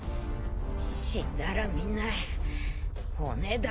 死んだらみんな骨だけだ。